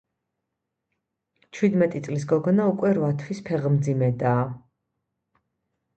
ჩვიდმეტი წლის გოგონა უკვე რვა თვის ფეხმძიმედაა.